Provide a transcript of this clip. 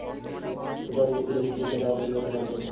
Super hit ছিল, কিন্তু সেটা অনেক বছর আগে।